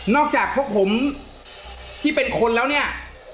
อกจากพวกผมที่เป็นคนแล้วเนี่ย